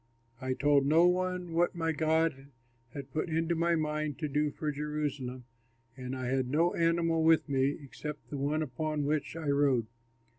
I told no one what my God had put into my mind to do for Jerusalem, and I had no animal with me except the one upon which I rode.